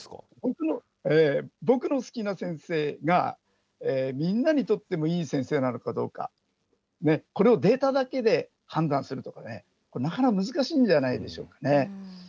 ええ、僕の好きな先生が、みんなにとってもいい先生なのかどうか、これをデータだけで判断するのはね、なかなか難しいんじゃないでしょうかね。